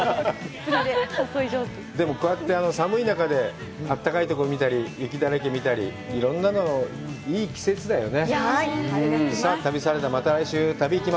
でも、こうやって寒い中であったかいとこ見たり、雪を見たり、いろんなのがいい季節だよね。